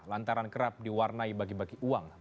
lantaran kerap diwarnai bagi bagi uang